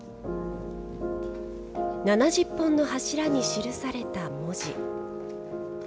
７０本の柱に記された文字。